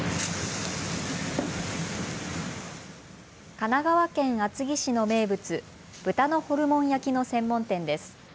神奈川県厚木市の名物、豚のホルモン焼きの専門店です。